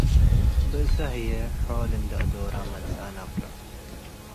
ብእሰ ህዬ ሖል እንዴ አዶረ መጸአ ነብረ ።